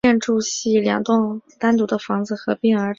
该建筑系两栋单独的房子合并而成。